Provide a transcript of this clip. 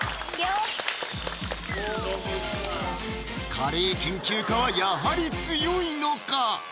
カレー研究家はやはり強いのか？